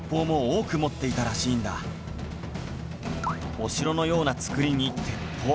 お城のような造りに鉄砲